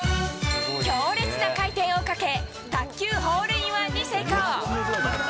強烈な回転をかけ、卓球ホールインワンに成功。